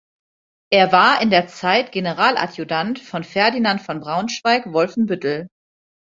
Er war in der Zeit Generaladjutant von Ferdinand von Braunschweig-Wolfenbüttel.